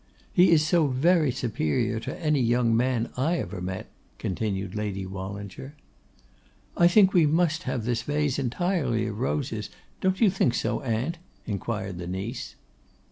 'He is so very superior to any young man I ever met,' continued Lady Wallinger. 'I think we must have this vase entirely of roses; don't you think so, aunt?' inquired her niece.